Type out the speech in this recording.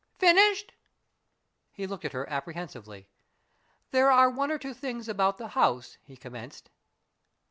"Finished?" He looked at her apprehensively. "There are one or two things about the house " he commenced.